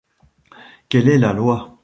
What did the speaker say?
Quelle est la loi ?